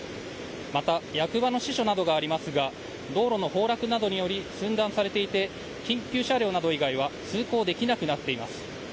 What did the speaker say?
また役場の支所などがありますが道路の崩落などにより寸断されていて緊急車両など以外は通行できなくなっています。